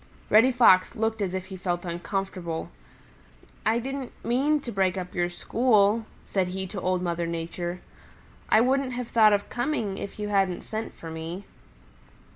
Reddy Fox looked as if he felt uncomfortable. "I didn't mean to break up your school," said he to Old Mother Nature. "I wouldn't have thought of coming if you hadn't sent for me."